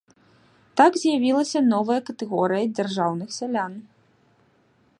Так з'явілася новая катэгорыя дзяржаўных сялян.